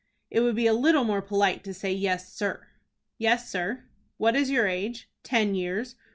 "It would be a little more polite to say 'Yes sir.'" "Yes, sir." "What is your age?" "Ten years."